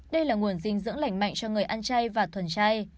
đây là nguồn dinh dưỡng lành mạnh cho người ăn chay và thuần chay